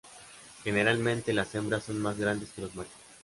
Generalmente las hembras son más grandes que los machos.